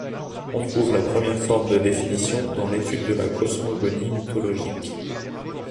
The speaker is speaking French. On trouve la première forme de définition dans l'étude de la cosmogonie mythologique.